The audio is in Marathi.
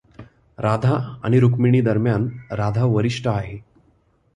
राधा आणि रुक्मिणी दरम्यान, राधा वरिष्ठ आहे.